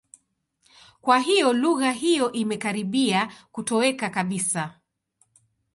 Kwa hiyo lugha hiyo imekaribia kutoweka kabisa.